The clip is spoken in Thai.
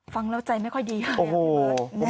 ฟังแล้วใจไม่ค่อยดีครับ